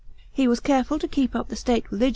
He was careful to keep up the state religi.